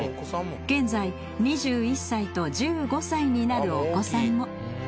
現在２１歳と１５歳になるお子さんも。